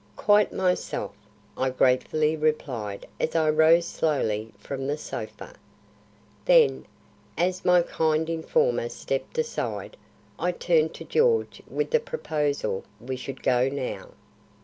"Quite myself," I gratefully replied as I rose slowly from the sofa. Then, as my kind informer stepped aside, I turned to George with the proposal we should go now.